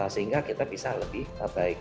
sehingga kita bisa lebih baik